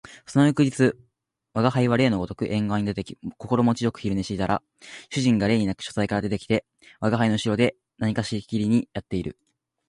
その翌日吾輩は例のごとく縁側に出て心持ち善く昼寝をしていたら、主人が例になく書斎から出て来て吾輩の後ろで何かしきりにやっている